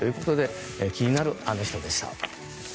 気になるアノ人でした。